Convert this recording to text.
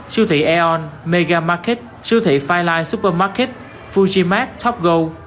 siêu thị aeon megamarket siêu thị fireline supermarket fujimart topgo